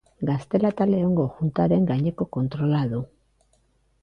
Gaztela eta Leongo Juntaren gaineko kontrola du.